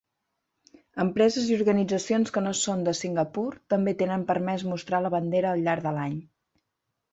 Empreses i organitzacions que no són de Singapur també tenen permès mostrar la bandera al llarg de l'any.